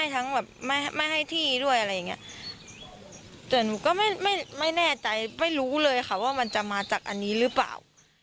แต่หนูก็ไม่แน่ใจไม่รู้เลยค่ะว่ามันจะมาจากอันนี้หรือเปล่า